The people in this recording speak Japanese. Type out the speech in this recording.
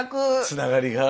つながりが。